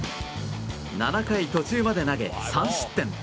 ７回途中まで投げ３失点。